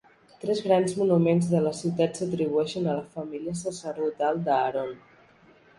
Tres grans monuments de la ciutat s'atribueixen a la família sacerdotal d'Aaron.